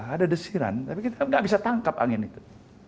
ada desiran tapi kita nggak bisa tangkap angin itu